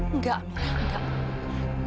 enggak amirah enggak